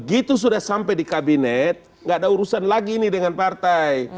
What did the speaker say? karena kalau sampai di kabinet gak ada urusan lagi nih dengan partai